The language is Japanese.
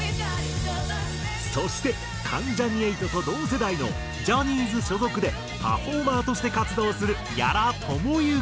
そして関ジャニ∞と同世代のジャニーズ所属でパフォーマーとして活動する屋良朝幸。